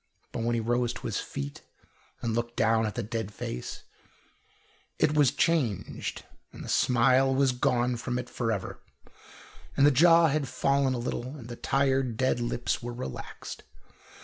But when he rose to his feet and looked down at the dead face it was changed, and the smile was gone from it for ever, and the jaw had fallen a little, and the tired, dead lips were relaxed.